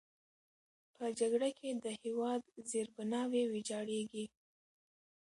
په جګړه کې د هېواد زیربناوې ویجاړېږي.